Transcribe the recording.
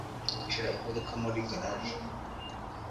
Shira imodoka muri garage.